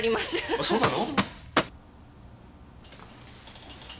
あそうなの？